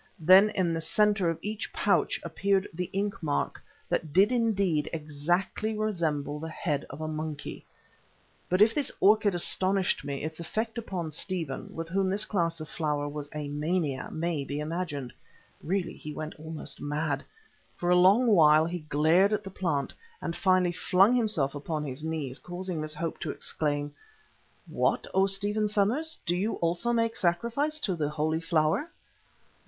Then in the centre of each pouch appeared the ink mark that did indeed exactly resemble the head of a monkey. But if this orchid astonished me, its effect upon Stephen, with whom this class of flower was a mania, may be imagined. Really he went almost mad. For a long while he glared at the plant, and finally flung himself upon his knees, causing Miss Hope to exclaim: "What, O Stephen Somers! do you also make sacrifice to the Holy Flower?"